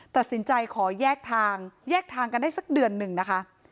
ตัดสินใจขอแยกทางแยกทางกันได้สักเดือนหนึ่งนะคะ